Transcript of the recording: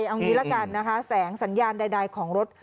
เอาอย่างงี้แล้วกันนะคะแสงสัญญาณใดของรถ